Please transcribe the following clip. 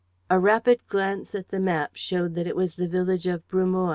A rapid glance at the map showed that it was the village of Brumoy.